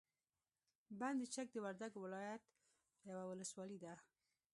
بند چک د وردګو ولایت یوه ولسوالي ده.